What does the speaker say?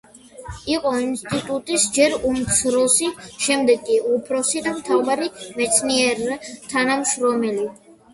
იყო ინსტიტუტის ჯერ უმცროსი, შემდეგ კი უფროსი და მთავარი მეცნიერ თანამშრომელი.